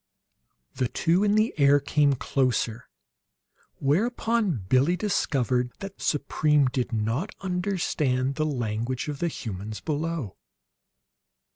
The two in the air came closer; whereupon Billie discovered that Supreme did not understand the language of the humans below.